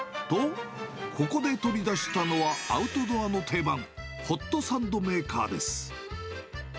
と、ここで取り出したのは、アウトドアの定番、ホットサンドメーカーです。